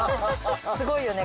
すごいよね